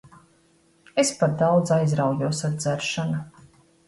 Es par daudz aizraujos ar dzeršanu.